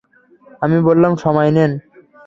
আমি বললাম সময় নেন।